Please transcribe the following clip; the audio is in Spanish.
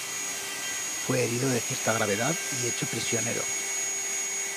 Fue herido de cierta gravedad y hecho prisionero.